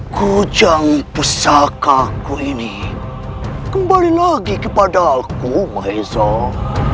kujang pusaka aku ini kembali lagi kepada aku maisal